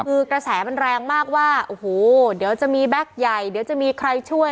คือกระแสมันแรงมากว่าโอ้โหเดี๋ยวจะมีแบ็คใหญ่เดี๋ยวจะมีใครช่วย